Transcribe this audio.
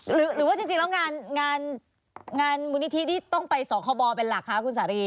หรือว่าจริงแล้วงานมูลนิธิที่ต้องไปสคบเป็นหลักคะคุณสารี